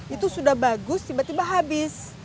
itu sudah bagus tiba tiba habis